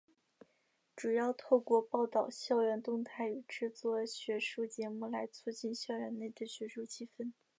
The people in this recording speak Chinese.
主要透过报导校园动态与制作学术节目来促进校园内的学术气氛。